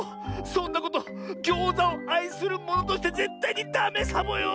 そんなことギョーザをあいするものとしてぜったいにダメサボよ！